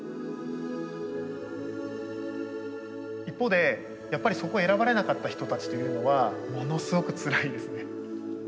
一方でやっぱりそこ選ばれなかった人たちというのはものすごくつらいですね。